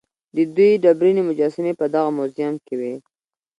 د دوی ډبرینې مجسمې په دغه موزیم کې وې.